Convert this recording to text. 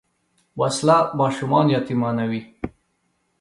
وسله ماشومان یتیمانوي